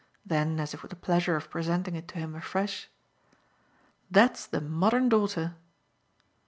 Then as if with the pleasure of presenting it to him afresh: "That's the modern daughter!"